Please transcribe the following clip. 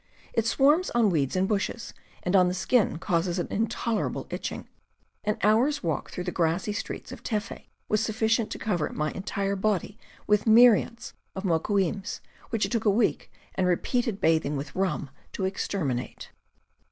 It swarms on weeds and bushes, and on the skin causes an intolerable itching. An hour's walk through the grassy streets of Teffe was sufficient to cover my entire body with myriads of moquims, which it took a week, and repeated bathing with rum, to exterminate.